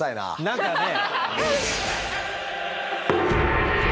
何かね。